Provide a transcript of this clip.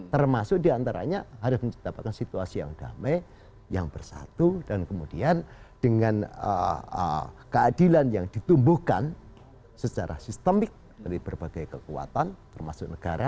termasuk diantaranya harus mendapatkan situasi yang damai yang bersatu dan kemudian dengan keadilan yang ditumbuhkan secara sistemik dari berbagai kekuatan termasuk negara